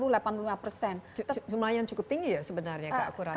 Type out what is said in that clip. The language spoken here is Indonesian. lumayan cukup tinggi ya sebenarnya ke akurasinya